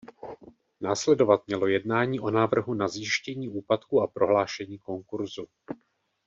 Následovat mělo jednání o návrhu na zjištění úpadku a prohlášení konkurzu.